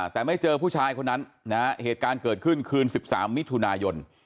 แต่ไม่เจอผู้ชายคนนั้นนะฮะเหตุการณ์เกิดขึ้นคืน๑๓มิถุนายน